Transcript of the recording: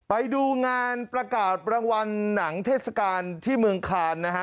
ไปดูงานประกาศรางวัลหนังเทศกาลที่เมืองคานนะฮะ